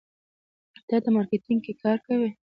ته مارکیټینګ کې کار کوې.